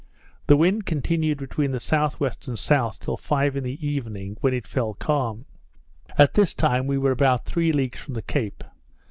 The wind continued between the S.W. and south till five in the evening, when it fell calm. At this time we were about three leagues from the Cape.